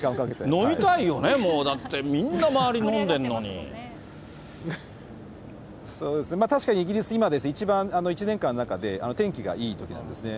飲みたいよね、もう、だってみんな周り、そうですね、確かにイギリス今、１年間の中で天気がいいときなんですね。